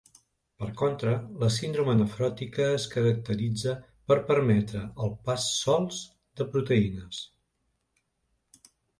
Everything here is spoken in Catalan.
Per contra, la síndrome nefròtica es caracteritza per permetre el pas sols de proteïnes.